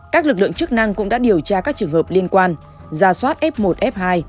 các lực lượng chức năng cũng đã điều tra các trường hợp liên quan ra soát f một f hai